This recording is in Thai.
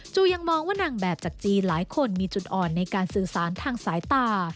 ยังมองว่านางแบบจากจีนหลายคนมีจุดอ่อนในการสื่อสารทางสายตา